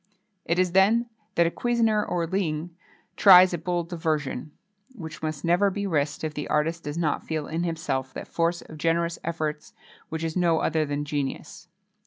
It is then that a cusinier hors ligne, tries a bold diversion, which must never be risked if the artist does not feel in himself that force of generous efforts which is no other than genius.